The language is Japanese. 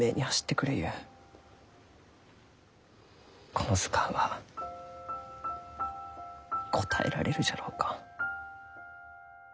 この図鑑は応えられるじゃろうか？